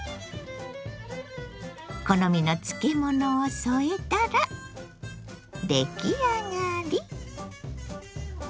好みの漬物を添えたら出来上がり。